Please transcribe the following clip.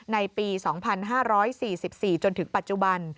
ในปี๒๕๔๔จนถึงปัจจุบัน